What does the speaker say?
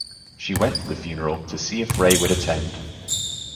She went to the funeral to see if Ray would attend.